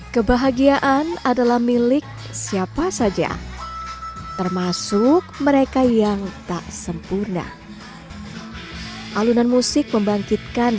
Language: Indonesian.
kebahagiaan adalah milik siapa saja termasuk mereka yang tak sempurna alunan musik membangkitkan